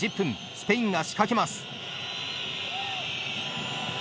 スペインが仕掛けます。